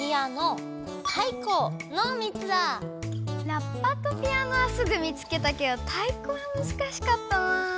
「らっぱ」と「ぴあの」はすぐ見つけたけど「たいこ」はむずかしかったな。